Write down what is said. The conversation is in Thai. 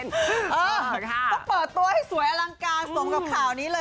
ก็เปิดตัวให้สวยอลังการสมกับข่าวนี้เลย